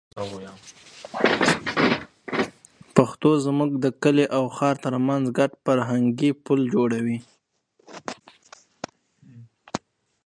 پښتو زموږ د کلي او ښار تر منځ ګډ فرهنګي پُل جوړوي.